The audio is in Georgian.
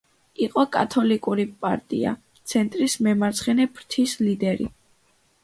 იყო კათოლიკური პარტია „ცენტრის“ მემარცხენე ფრთის ლიდერი.